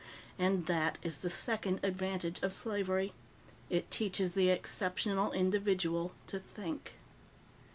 And that is the second advantage of slavery. It teaches the exceptional individual to think.